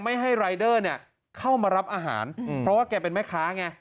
ให้รายเดอร์เนี่ยเข้ามารับอาหารเพราะว่าแกเป็นแม่ค้าไง